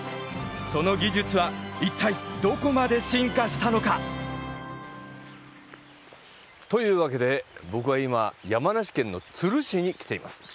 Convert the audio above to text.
その技術は一体どこまで進化したのか？というわけで僕は今山梨県の都留市に来ています。